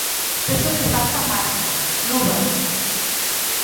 Vexo que faltan máscaras, luvas...